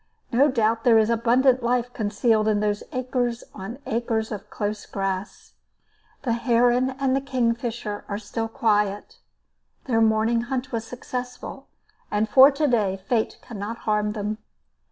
No doubt there is abundant life concealed in those acres on acres of close grass. The heron and the kingfisher are still quiet. Their morning hunt was successful, and for to day Fate cannot harm them.